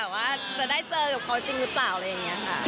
ว่าจะได้เจอกับเขาจริงหรือเปล่าอะไรอย่างนี้ค่ะ